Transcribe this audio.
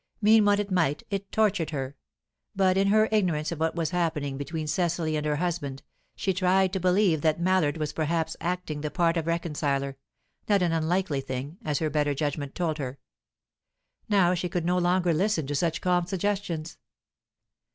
Mean what it might, it tortured her; but, in her ignorance of what was happening between Cecily and her husband, she tried to believe that Mallard was perhaps acting the part of reconciler not an unlikely thing, as her better judgment told her. Now she could no longer listen to such calm suggestions.